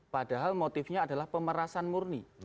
padahal motifnya adalah pemerasan murni